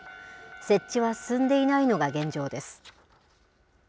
設置は進んでいないのが現状です。